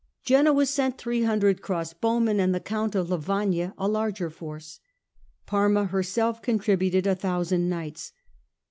Genoa sent three hundred crossbowmen and the Count of Lavagna a larger force. Parma herself contributed a thousand knights.